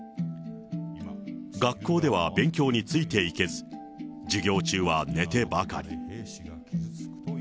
学校では勉強についていけず、授業中は寝てばかり。